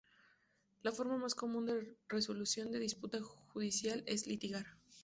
La forma más común de resolución de disputa judicial es litigar.